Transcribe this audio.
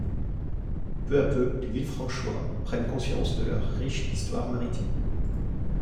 Peu à peu, les Villefranchois prennent conscience de leur riche histoire maritime.